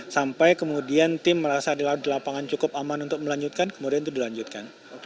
jadi merasa di lapangan cukup aman untuk melanjutkan kemudian itu dilanjutkan